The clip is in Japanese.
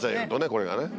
これがね。